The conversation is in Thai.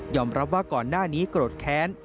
รับว่าก่อนหน้านี้โกรธแค้น